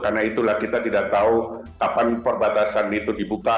karena itulah kita tidak tahu kapan perbatasan itu dibuka